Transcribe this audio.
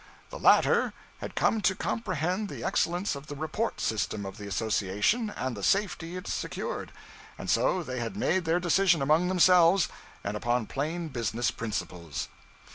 The latter had come to comprehend the excellence of the 'report' system of the association and the safety it secured, and so they had made their decision among themselves and upon plain business principles.